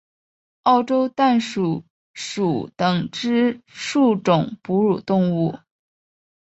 澳洲弹鼠属等之数种哺乳动物。